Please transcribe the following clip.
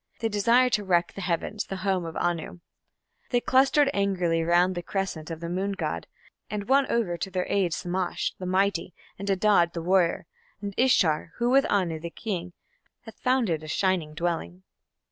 They desire to wreck the heavens, the home of Anu: They clustered angrily round the crescent of the moon god, And won over to their aid Shamash, the mighty, and Adad, the warrior, And Ishtar, who with Anu, the King, Hath founded a shining dwelling.